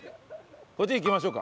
こっち行きましょうか。